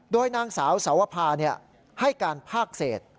โดยนางสาวสาวภาให้การภาคเศษ